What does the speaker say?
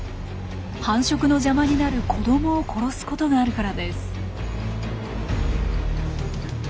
繁殖の邪魔になる子どもを殺すことがあるからです。